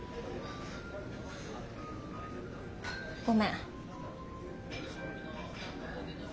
ごめん。